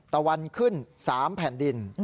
ตะวันขึ้น๓แผ่นดิน